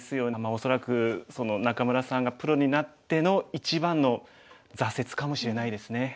恐らく仲邑さんがプロになっての一番の挫折かもしれないですね。